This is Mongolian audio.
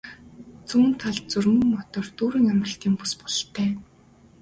Зүүн талд зүлэг модоор дүүрэн амралтын бүс бололтой.